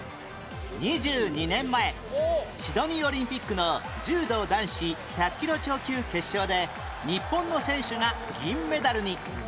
２２年前シドニーオリンピックの柔道男子１００キロ超級決勝で日本の選手が銀メダルに